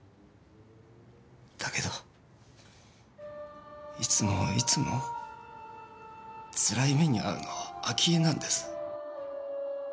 だけどいつもいつもつらい目に遭うのは明恵なんです。